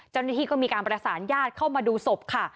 เจ้าหน้าที่ก็มีการประสานญาติเข้ามาดูศพค่ะ